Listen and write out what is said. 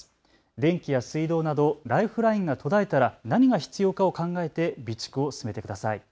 電気や水道などライフラインが途絶えたら何が必要かを考えて備蓄を進めてください。